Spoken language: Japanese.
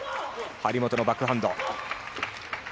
張本のバックハンド。